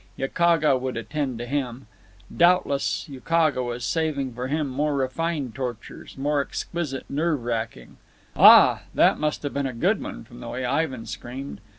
Yakaga would attend to him. Doubtlessly Yakaga was saving for him more refined tortures, more exquisite nerve racking. Ah! that must have been a good one, from the way Ivan screamed.